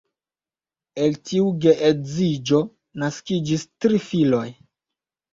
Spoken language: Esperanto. El tiu geedziĝo naskiĝis tri filoj.